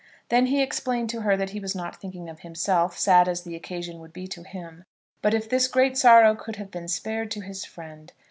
Then he explained to her that he was not thinking of himself, sad as the occasion would be to him. But if this great sorrow could have been spared to his friend!